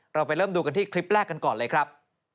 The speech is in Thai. เราไปเริ่มดูกันที่คลิปแรกกันก่อนเลยครับ